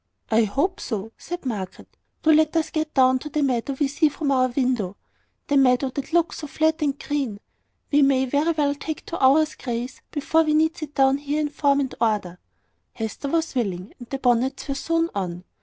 "I hope so," said Margaret. "Do let us get down to the meadow we see from our window the meadow that looks so flat and green! We may very well take two hours' grace before we need sit down here in form and order." Hester was willing, and the bonnets were soon on.